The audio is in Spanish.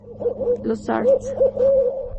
Los arts.